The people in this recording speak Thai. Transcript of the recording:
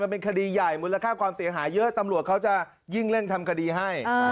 มันเป็นคดีใหญ่มูลค่าความเสียหายเยอะตำรวจเขาจะยิ่งเร่งทำคดีให้